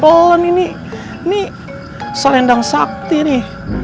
pelan ini ini selendang sakti nih